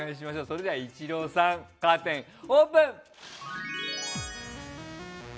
それではイチローさんカーテン、オープン。